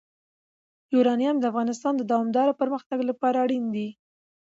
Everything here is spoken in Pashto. یورانیم د افغانستان د دوامداره پرمختګ لپاره اړین دي.